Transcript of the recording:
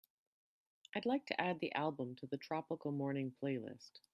I'd like to add the album to the Tropical Morning playlist.